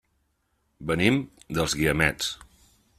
Venim dels Guiamets.